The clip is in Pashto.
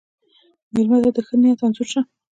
مېلمه ته د ښه نیت انځور شه.